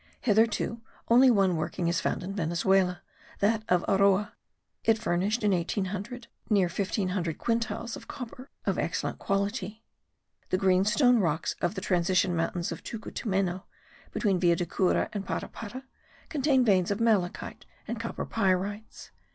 Hitherto only one working is found in Venezuela, that of Aroa: it furnished, in 1800, near 1500 quintals of copper of excellent quality. The green stone rocks of the transition mountains of Tucutunemo (between Villa de Cura and Parapara) contain veins of malachite and copper pyrites.